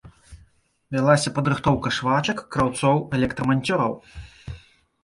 Вялася падрыхтоўка швачак, краўцоў, электраманцёраў.